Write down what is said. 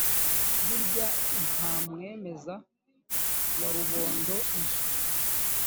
burya nta mwemeza wa rubondo iyi